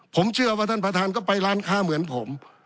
ผมเชื่อว่าท่านประธานก็ไปร้านค้าเหมือนผม